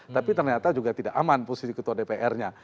tapi ternyata juga tidak aman posisi ketua dpr nya